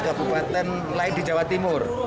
kabupaten lain di jawa timur